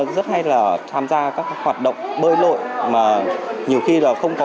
và để bơi thường là